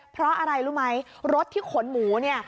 เพราะอะไรรู้ไหมรถที่ขนหมูเนี่ย